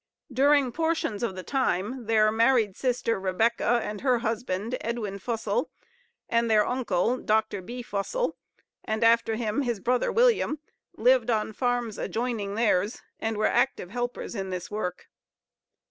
During portions of the time, their married sister Rebecca, and her husband, Edwin Fussell, and their uncle, Dr. B. Fussell, and, after him, his brother William, lived on farms adjoining theirs, and were their active helpers in this work.